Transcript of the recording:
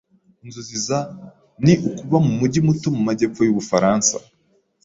Inzozi za ni ukuba mu mujyi muto mu majyepfo y'Ubufaransa.